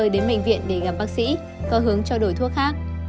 để gặp bác sĩ có hướng cho đổi thuốc khác